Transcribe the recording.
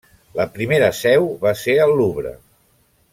La primera seu va ser al Louvre.